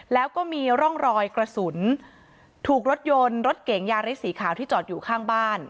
แล้วก็มีร่องรอยกระสุนถูกรถยนต์รถเก๋งยาริสสีขาวที่จอดอยู่ข้างบ้าน